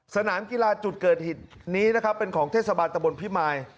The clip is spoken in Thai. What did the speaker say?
สนามกีฬาจุดเกิดเหตุนี้นะครับเป็นของเทศบาลตะบนพิมาย